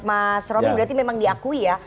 mas romy berarti memang diakui ya